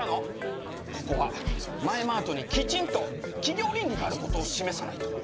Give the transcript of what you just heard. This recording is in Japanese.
ここはマエマートにきちんと企業倫理があることを示さないと！